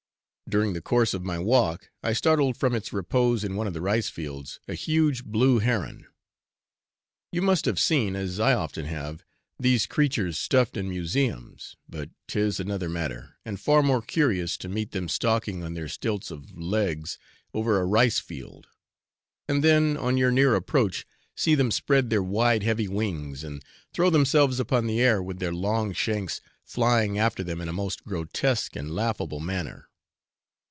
During the course of my walk, I startled from its repose in one of the rice fields, a huge blue heron. You must have seen, as I often have, these creatures stuffed in museums; but 't is another matter, and far more curious, to meet them stalking on their stilts of legs over a rice field, and then on your near approach, see them spread their wide heavy wings, and throw themselves upon the air, with their long shanks flying after them in a most grotesque and laughable manner.